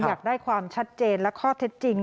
อยากได้ความชัดเจนและข้อเท็จจริง